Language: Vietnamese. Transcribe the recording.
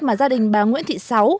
mà gia đình bà nguyễn thị sáu